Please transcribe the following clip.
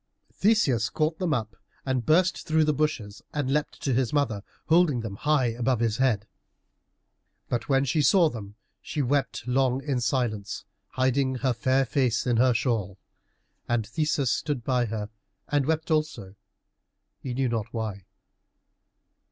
Theseus caught them up and burst through the bushes and leapt to his mother, holding them high above his head. But when she saw them she wept long in silence, hiding her fair face in her shawl. And Theseus stood by her and wept also, he knew not why.